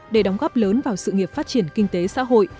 để đóng góp lớn vào sự nghiệp phát triển kinh tế xã hội